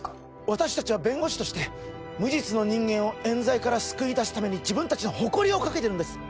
私達は弁護士として無実の人間をえん罪から救い出すために自分達の誇りをかけてるんです